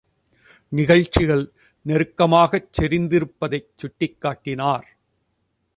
நிகழ்ச்சிகள் நெருக்கமாகச் செறிந்திருப்பதைச் சுட்டிக்காட்டினார்.